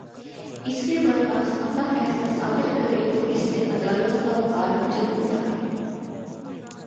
اس کے برعکس اپنا فیصلہ صادر کریں تو اس سے عدالتوں کا وقار مجروح ہوتا ہے